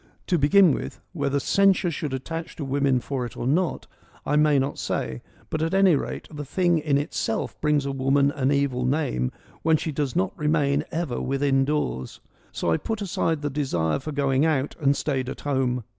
To begin with — whether censure should attach to women for it or not, I may not say — but at any rate, the thing in itself brings a woman an evil name when she does not remain ever within doors. So I put aside the desire for going out and stayed at home.